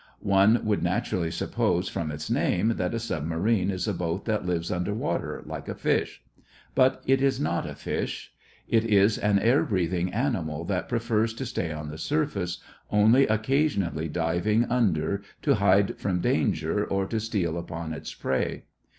One would naturally suppose, from its name, that a submarine is a boat that lives under water, like a fish. But it is not a fish; it is an air breathing animal that prefers to stay on the surface, only occasionally diving under to hide from danger or to steal upon its prey.